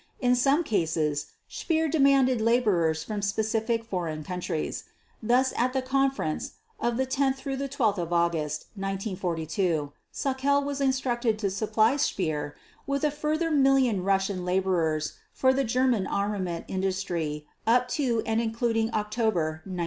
In some cases Speer demanded laborers from specific foreign countries. Thus, at the conference of 10 12 August 1942 Sauckel was instructed to supply Speer with "a further million Russian laborers for the German armament industry up to and including October 1942".